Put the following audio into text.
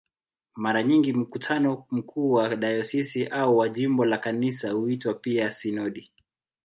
Mara nyingi mkutano mkuu wa dayosisi au wa jimbo la Kanisa huitwa pia "sinodi".